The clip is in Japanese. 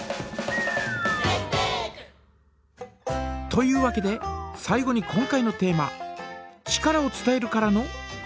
というわけで最後に今回のテーマ「力を伝える」からのクエスチョン！